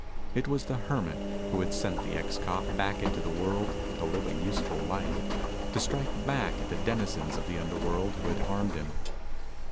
It was the Hermit who had sent the ex cop back into the world to live a useful life, to strike back at the denizens of the underworld who had harmed him.